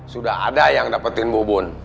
sudah ada yang dapetin bubun